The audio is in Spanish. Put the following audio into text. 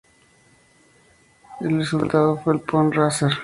El resultado fue el Pond Racer.